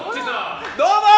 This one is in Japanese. どうも！